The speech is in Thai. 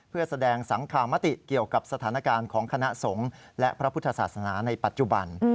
เพื่อแสดงสังคมติเกี่ยวกับสถานการณ์ของคณะสงฆ์และพระพุทธศาสนาในปัจจุบัน